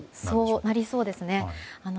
そうなりそうですね。